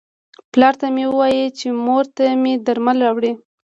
پلار ته مې وایه چې مور ته مې درمل راوړي.